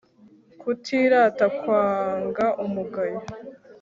kutirata, kwanga umugayo